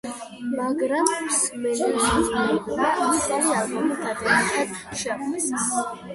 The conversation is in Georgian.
მაგრამ მსმენელებმა ახალი ალბომი დადებითად შეაფასეს.